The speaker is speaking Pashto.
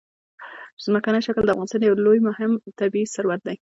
ځمکنی شکل د افغانستان یو ډېر لوی او مهم طبعي ثروت دی.